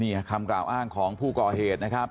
นี่คำกล่าวอ้างของผู้ก่อเหตุนะครับ